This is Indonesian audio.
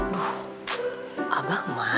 duh abang mana ya